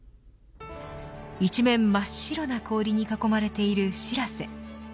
一面真っ白な氷に囲まれているしらせ。